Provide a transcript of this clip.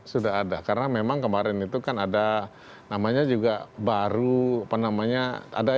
sudah ada karena memang kemarin itu kan ada namanya juga baru apa namanya ada yang tidak terlalu lama